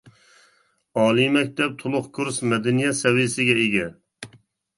ئالىي مەكتەپ تولۇق كۇرس مەدەنىيەت سەۋىيەسىگە ئىگە.